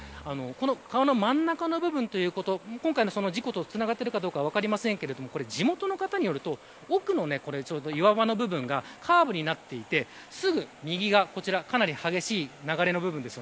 川の真ん中の部分ということが今回の事故とつながっているかどうか分かりませんが地元の方によると奥の岩場の部分がカーブになっていてすぐ右側かなり激しい流れの部分です。